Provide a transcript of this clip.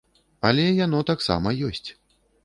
Але яно таксама ёсць.